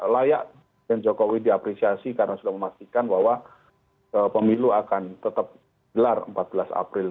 layak yang jokowi diapresiasi karena sudah memastikan bahwa pemilu akan tetap gelar empat belas april dua ribu dua puluh empat